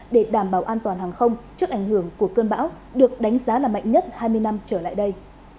để đảm bảo an toàn hàng không trước ảnh hưởng của cơn bão được đánh giá là mạnh nhất hai mươi năm trở lại đây